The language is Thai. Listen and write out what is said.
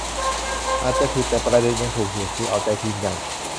อาจจะผิด แต่ประเด็นยังถูกอยู่ คือเอาใจทีมใหญ่